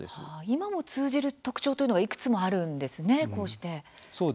今も通じる特徴というのがいくつもあるんですね、こうして。